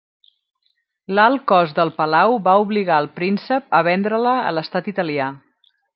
L'alt cost del palau va obligar el príncep a vendre-la a l'Estat italià.